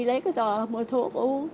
lấy cái tòa mua thuốc uống